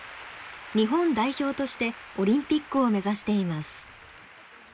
日本代表としてオリンピックを目指しています。